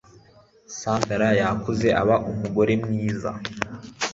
Sandra yakuze aba umugore mwiza